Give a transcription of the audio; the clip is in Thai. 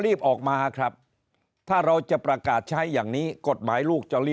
รีบออกมาครับถ้าเราจะประกาศใช้อย่างนี้กฎหมายลูกจอรี่